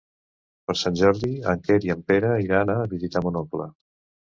Per Sant Jordi en Quer i en Pere iran a visitar mon oncle.